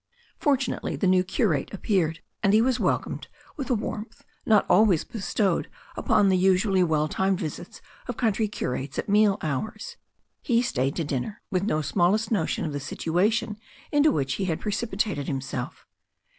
Fortunately, the new curate appeared, and he was wel comed with a warmth not always bestowed upon the usually well timed visits of country curates at meal hours. He stayed to dinner, with no smallest notion of the situation into which he had precipitated himself.